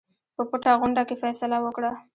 په پټه غونډه کې فیصله وکړه.